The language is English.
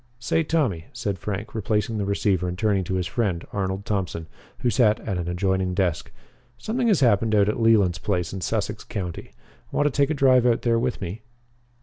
"Say, Tommy," said Frank, replacing the receiver and turning to his friend, Arnold Thompson, who sat at an adjoining desk, "something has happened out at Leland's place in Sussex County. Want to take a drive out there with me?"